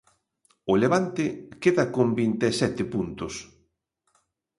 O Levante queda con vinte e sete puntos.